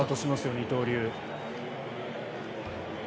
二刀流。